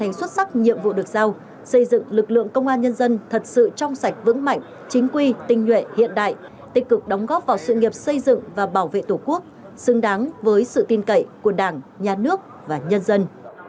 thành xuất sắc nhiệm vụ được giao xây dựng lực lượng công an nhân dân thật sự trong sạch vững mạnh chính quy tinh nhuệ hiện đại tích cực đóng góp vào sự nghiệp xây dựng và bảo vệ tổ quốc xứng đáng với sự tin cậy của đảng nhà nước và nhân dân